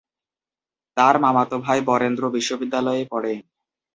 তার মামাতো ভাই বরেন্দ্র বিশ্ববিদ্যালয়ে পড়ে।